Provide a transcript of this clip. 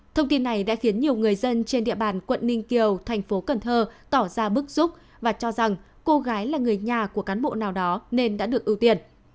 thông tin này đã khiến nhiều người dân trên địa bàn quận ninh kiều tp cn tỏ ra bức rúc và cho rằng cô gái là người nhà của cán bộ nào đó nên đã được ưu tiên